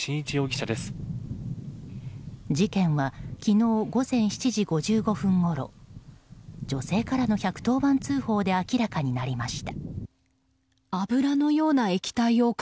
事件は昨日午前７時５５分ごろ女性からの１１０番通報で明らかになりました。